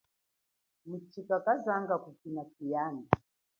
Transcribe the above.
Matshika kazanga kukina tshiyanda.